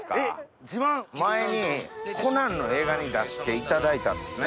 前に『コナン』の映画に出していただいたんですね。